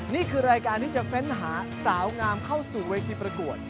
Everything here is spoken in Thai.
นี่คือรายการที่จะเฟ้นหาสาวงามเข้าสู่เวทีประกวด